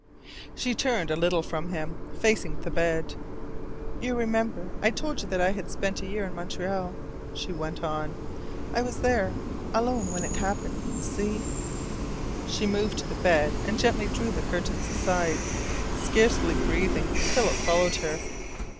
She turned a little from him, facing the bed. "You remember I told you that I had spent a year in Montreal," she went on. "I was there alone when it happened. See " She moved to the bed and gently drew the curtains aside. Scarcely breathing, Philip followed her.